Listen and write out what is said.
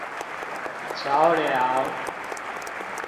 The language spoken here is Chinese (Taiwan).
橋梁